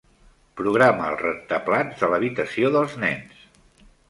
Programa el rentaplats de l'habitació dels nens.